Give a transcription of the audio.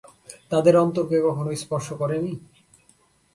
তাদের অন্তরকে কোনোখানেই স্পর্শ করে নি?